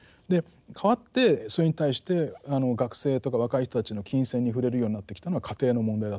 代わってそれに対して学生とか若い人たちの琴線に触れるようになってきたのは家庭の問題だと思うんですね。